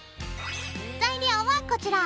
材料はこちら！